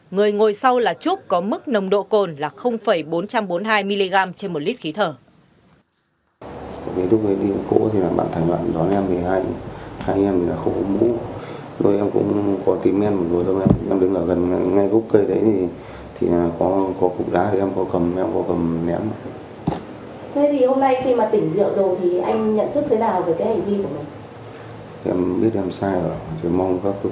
người ngồi sau là trúc có mức nồng độ cồn là bốn trăm bốn mươi hai mg một l khí thở